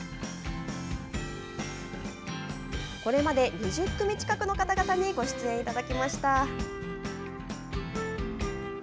これまで２０組近くの方々にご出演いただきました。